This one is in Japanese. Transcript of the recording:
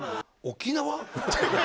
沖縄！？